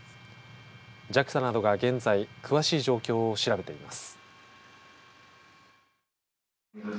ＪＡＸＡなどが現在詳しい状況を調べています。